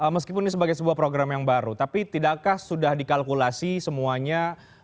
meskipun ini sebagai sebuah program yang baru tapi tidakkah sudah dikalkulasi semuanya